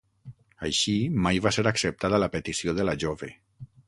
Així, mai va ser acceptada la petició de la jove.